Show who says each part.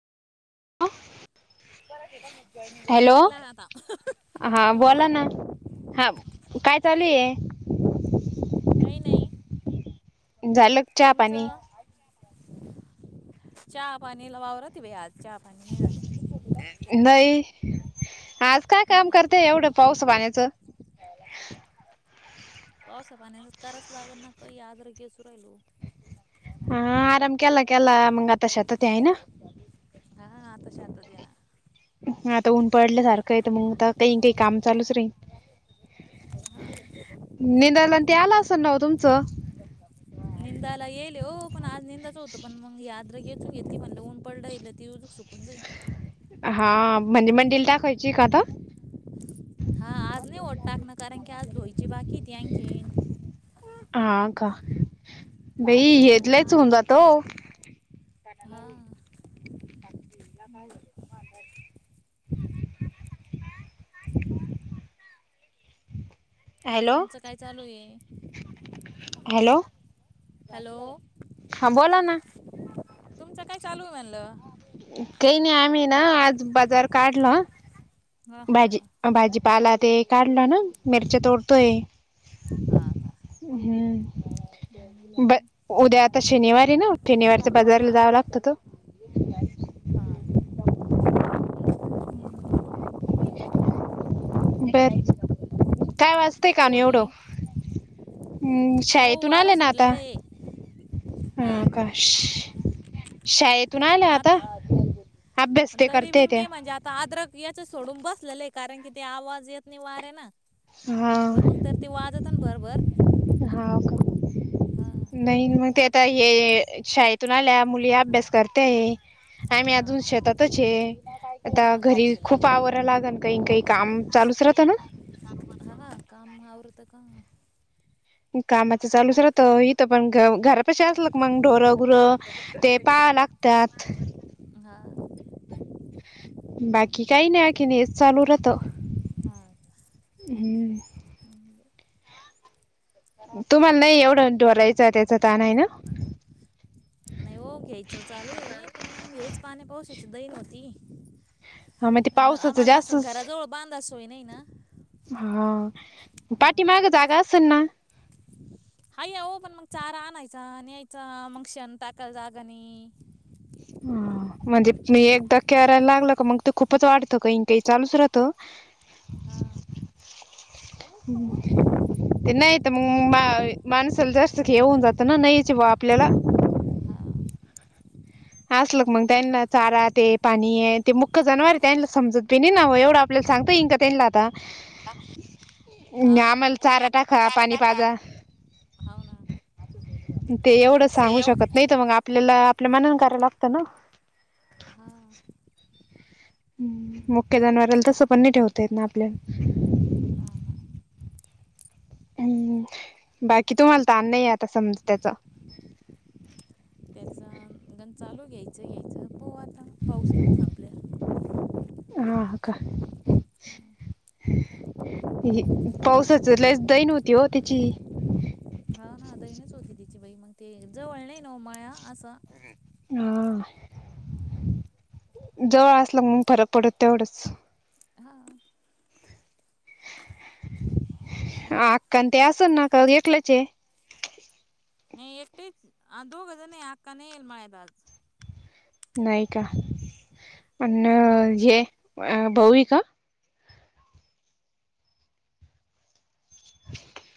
Speaker 1: Hello
Speaker 2: लागला आता
Speaker 1: हा बोला
Speaker 2: हॅलो
Speaker 1: ना. हा काय चालूये?
Speaker 2: काही नाही.
Speaker 1: झालं चहा पाणी
Speaker 2: तुमचं चहा पाणी ल वावर त भ आज. चहा
Speaker 1: नाही. आज काय काम
Speaker 2: नाही
Speaker 1: करतेय एवढं पाऊस पाण्याचं?
Speaker 2: पावसा पाण्याचा कराच लागल ना ते आद्रक वेचू राहिलो.
Speaker 1: हा आराम केला केला मंग आता शेतात हायई ना.
Speaker 2: हा हा आता शांतत येणा.
Speaker 1: ह आता ऊन पडल्या सारखं ए त मंग आता काई न काई काम
Speaker 2: हा
Speaker 1: चालूच राहील.
Speaker 2: हा
Speaker 1: निदान ते आलं असल न्हव तुमचं.
Speaker 2: निंदाला येईल हो पन आज निंदाच होतं पन मंग [unintelligible] म्हटलं ऊन पडलंय होउन जाईन.
Speaker 1: हा म्हंजे मंडईला टाकायचीए का आता?
Speaker 2: हा आज नाय ओ टकना कारण की धुवायची बाकी त्यांचे
Speaker 1: हा का बई
Speaker 2: हा
Speaker 1: हेेत लयच होऊन जातो.
Speaker 2: हा.
Speaker 1: काय झालं [unintelligible] हॅलो
Speaker 2: तुमचं काय चालू ए?
Speaker 1: हॅलो
Speaker 2: हॅलो
Speaker 1: हा बोला ना.
Speaker 2: तुमचं काय चालूय म्हणलं?
Speaker 1: काई नाई आम्ही ना आज बाजार काढला.
Speaker 2: हां हां
Speaker 1: भाजी
Speaker 2: हां
Speaker 1: भाजीपाला ते काढला ना मिरच्या तोडतोय.
Speaker 2: हा का.
Speaker 1: हम्म ब उद्या आता शनिवार ए ना शनिवारी तर बाजारला
Speaker 2: हा
Speaker 1: जाव लागत तर
Speaker 2: हा.
Speaker 1: बर काय वाजतंय कान एवढं?
Speaker 2: पोरी
Speaker 1: हम्म.
Speaker 2: अहो
Speaker 1: शाळेतून
Speaker 2: वारा
Speaker 1: आले ना आता
Speaker 2: सुटलेला आहे हा
Speaker 1: हा. काश शाळेत.
Speaker 2: नात
Speaker 1: ते
Speaker 2: तरी
Speaker 1: करते
Speaker 2: बी
Speaker 1: त्या
Speaker 2: मी म्हंजे आता आद्रक याच्या सोडून बसलेलीए कारन की ते आवाज येत नाई वाऱ्यानं
Speaker 1: हा
Speaker 2: पण मग तर ते वाज तन भरभर.
Speaker 1: हाव
Speaker 2: हा
Speaker 1: का नाई न म त्या आता ए शाळेतून आल्या मुली अभ्यास करतय नाय मी
Speaker 2: हा
Speaker 1: अजून
Speaker 2: का
Speaker 1: शेतातच चे आता
Speaker 2: हा का
Speaker 1: घरी खूप आवरा लागल काई काई काम चालूच राहतं ना.
Speaker 2: हा का काम आवरतं का?
Speaker 1: कामाच चालूच राहत हित पन घ घरात [unintelligible] मंग ढोरं गुरं ते पाय लागतात.
Speaker 2: हा.
Speaker 1: बाकी काई नाई आकीन हेच चालू राहत.
Speaker 2: आ.
Speaker 1: तुमाला नाई एवढं डोरायचं त्याचा तान हाय ना.
Speaker 2: नाई ओ घ्यायचं चालू ए पन मंग हेच पाणी पावसाची दैना होती.
Speaker 1: हा मग ते
Speaker 2: न
Speaker 1: पावसाचं
Speaker 2: आमाला असं
Speaker 1: जास्तच
Speaker 2: घराजवल बांधा सोय नाई ना.
Speaker 1: हा
Speaker 2: हा.
Speaker 1: पाठीमाग जागा असन ना.
Speaker 2: हा येऊ पण मग चारा आनायचा न्यायचा मग शेन टाकायला जागा नाई.
Speaker 1: ह म्हणजे मी येकदा केरायला लागल का मग ते खूपच वाटतं काई काई चालूच राहत
Speaker 2: हा.
Speaker 1: ते नाईत मंग मा मानसाला जास्त घेऊन जातं ना नाई याची बा आपल्याला.
Speaker 2: हा
Speaker 1: असलं का मग त्यांना चारा ते पाणी आहे. ते मुक्ख जनावर आहे त्यांना समजत बी नाय ना ओ एवढं आपल्याला सांगता इन का. तेनला आता.
Speaker 2: हा
Speaker 1: आम्हाला चारा टाका, पाणी पाजा.
Speaker 2: हावू ना.
Speaker 1: ते
Speaker 2: काय मग
Speaker 1: एवढं
Speaker 2: आता
Speaker 1: सांगू
Speaker 2: स
Speaker 1: शकत नाही तर मग आपल्याला आपल्या मनान करायला लागतं ना.
Speaker 2: हा.
Speaker 1: मुख्य जनाववरला तसं पणणी ठेवतायेत ना आपल्यात
Speaker 2: हा हा.
Speaker 1: हम्म. बाकी तुम्हाला तान नाहीये आता समजा त्याचा.
Speaker 2: त्याचं घण चालू घ्यायचं घ्यायचं प आता पाऊस काळा संपल्या
Speaker 1: हा. का. पावसाचं लयच दयन होती ओ तिची.
Speaker 2: हा ना दयनच होती तिची बाई, मग ते जवळ नाही ना ओ मळा असा.
Speaker 1: हा जवळ असलं मग फरक पडत तेवढंच.
Speaker 2: हा.
Speaker 1: अक्का आणि ते असलं ना, का एकलच ये?
Speaker 2: नाही एकटेच दोघ जण आहे. आक्का नाही येईल माझ्याब आज.
Speaker 1: नाही का अन
Speaker 2: हम्म
Speaker 1: हे भाऊ हे का? [inaudible]